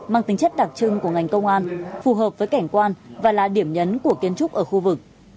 mang tính chất đặc trưng của ngành công an phù hợp với cảnh quan và là điểm nhấn của kiến trúc ở khu vực